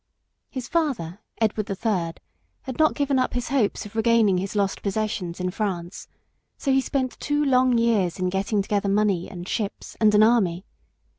His father, Edward the Third, had not given up his hopes of regaining his lost possessions in France, so he spent two long years in getting together money and ships and an army.